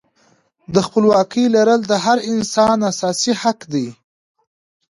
د خپلواکۍ لرل د هر انسان اساسي حق دی.